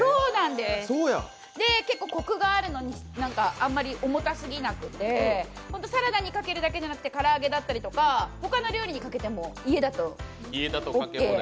結構こくがあるのに、あんまり重たすぎなくて、サラダにかけるだけじゃなくて唐揚げにかけるとか他の料理にかけても、家だとオーケー。